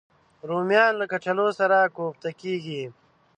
رومیان له کچالو سره کوفته کېږي